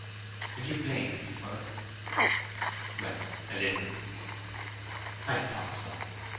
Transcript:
"And you blamed me for it?" "Well—a little." "I thought so.